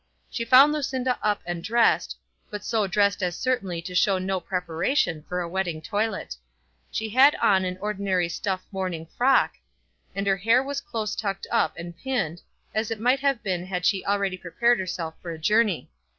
She found Lucinda up and dressed, but so dressed as certainly to show no preparation for a wedding toilet. She had on an ordinary stuff morning frock, and her hair was close tucked up and pinned, as it might have been had she already prepared herself for a journey.